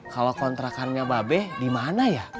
kalau kontrakannya babe di mana ya